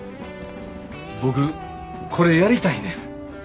僕これやりたいねん。